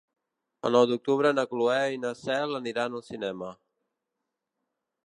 El nou d'octubre na Cloè i na Cel aniran al cinema.